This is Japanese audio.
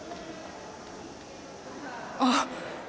あっ！